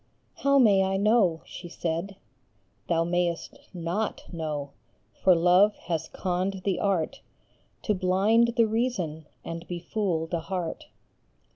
" How may I know? " she said. Thou mayest not know, for Love has conned the art To blind the reason and befool the heart.